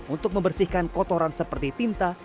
untuk membersihkan kotoran seperti tinta